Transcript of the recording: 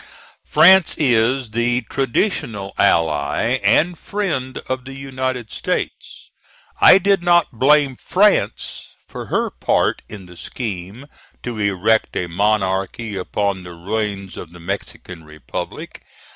France is the traditional ally and friend of the United States. I did not blame France for her part in the scheme to erect a monarchy upon the ruins of the Mexican Republic.